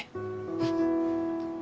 うん。